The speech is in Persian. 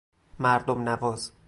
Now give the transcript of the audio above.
مردم نواز